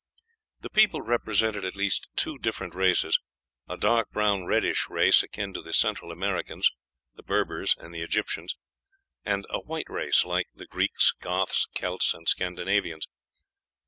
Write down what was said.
The people represented at least two different races: a dark brown reddish race, akin to the Central Americans, the Berbers and the Egyptians; and a white race, like the Greeks, Goths, Celts, and Scandinavians.